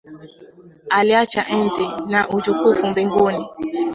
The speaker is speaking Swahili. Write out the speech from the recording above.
Aliacha enzi , na utukufu mbinguni.